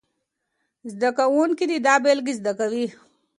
زده کوونکي دا بېلګې زده کوي.